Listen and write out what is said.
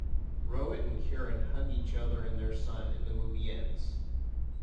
Rohit and Kiran hug each other and their son and the movie ends.